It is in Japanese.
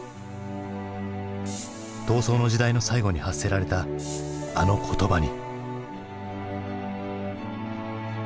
闘争の時代の最後に発せられたあの言葉に。